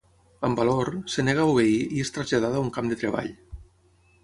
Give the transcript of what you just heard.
Amb valor, es nega a obeir i és traslladada a un camp de treball.